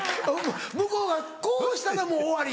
向こうがこうしたらもう終わり。